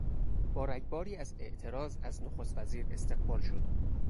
با رگباری از اعتراض از نخستوزیر استقبال شد.